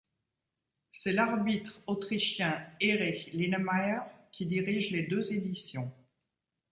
C'est l'arbitre autrichien Erich Linemayr qui dirige les deux éditions.